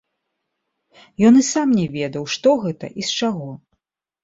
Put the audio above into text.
Ён і сам не ведаў, што гэта і з чаго.